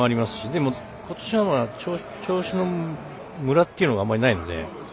でも、ことしは調子のムラっていうのがあまりないので。